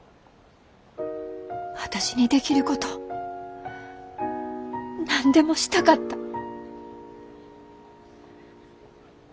私にできること何でもしたかった。